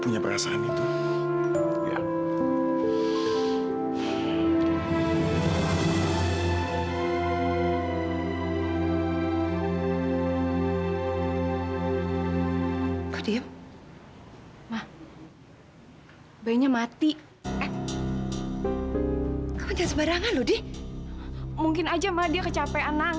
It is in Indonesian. ingat dong sama apa yang udah kita bicarain